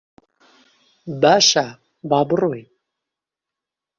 باشە، با بڕۆین.